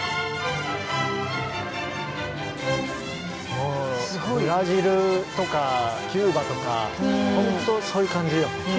もうブラジルとかキューバとかほんとそういう感じ。